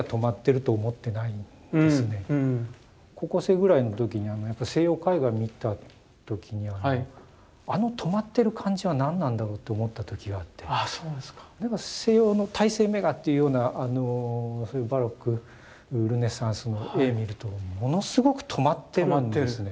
高校生ぐらいの時に西洋絵画を見た時にあの止まってる感じは何なんだろうって思った時があって西洋の大勢名画っていうようなバロックルネッサンスの絵見るとものすごく止まってるんですね。